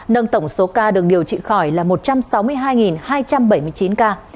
nâng tổng số ca được điều trị khỏi là một trăm sáu mươi hai hai trăm bảy mươi chín ca